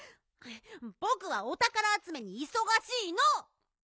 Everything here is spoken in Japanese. ぼくはおたからあつめにいそがしいの！